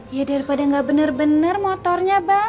ya daripada gak bener bener motornya bang